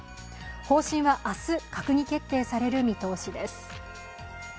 方針は明日、閣議決定される見通しです。